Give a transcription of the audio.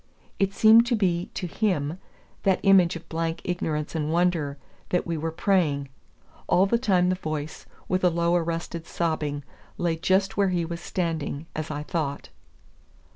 It seemed to be to him, that image of blank ignorance and wonder, that we were praying. All the time the voice, with a low arrested sobbing, lay just where he was standing, as I thought.